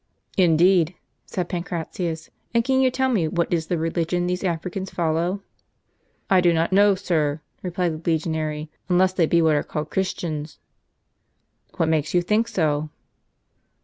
" Indeed !" said Pancratius, " and can you tell me what is the religion these Africans follow ?" "I do not know, sir," replied the legionary, " unless they be what are called Christians." "What makes you think so?